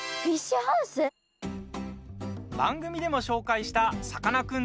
番組でも紹介したさかなクン